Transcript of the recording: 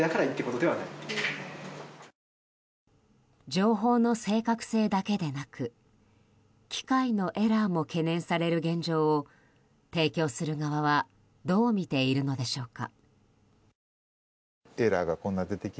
情報の正確性だけでなく機械のエラーも懸念される現状を提供する側はどう見ているのでしょうか？